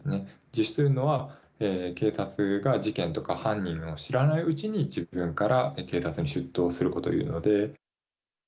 自首というのは、警察が事件とか犯人を知らないうちに、自分から警察に出頭することを言うので。